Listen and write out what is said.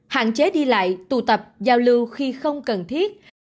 hãy đi lại tụ tập giao lưu khi không cần thiết